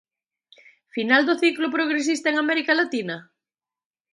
Final do ciclo progresista en América Latina?